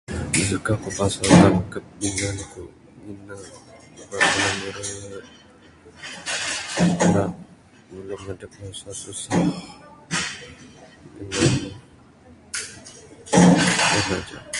dak suka ku pasal tengkep dingan ku ngin ne suka ne nere ira nulung adep ne susah susah dengan en aja